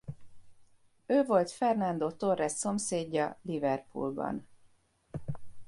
Ő volt Fernando Torres szomszédja Liverpoolban.